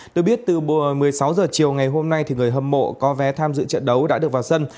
được biết từ một mươi sáu h chiều ngày hôm nay người hâm mộ có vé tham dự trận đấu đã được vào sân